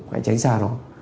hãy tránh xa nó